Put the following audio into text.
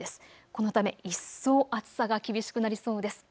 このため、一層、暑さが厳しくなりそうです。